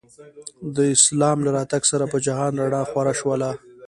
د اسلام له راتګ سره په جهان رڼا خوره شوله.